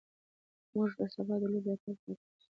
موږ به سبا د لوبو لپاره پارک ته ځو